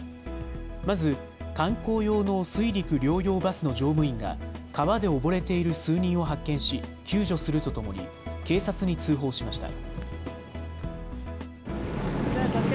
まず観光用の水陸両用バスの乗務員が川で溺れている数人を発見し救助するとともに警察に通報しました。